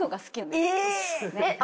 えっ！？